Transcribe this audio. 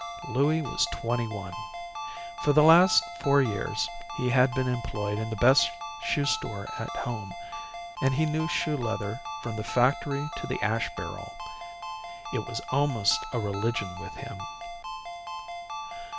Louie was twenty one. For the last four years he had been employed in the best shoe store at home, and he knew shoe leather from the factory to the ash barrel. It was almost a religion with him.